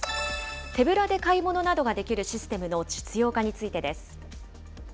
手ぶらで買い物などができるシステムの実用化についてです。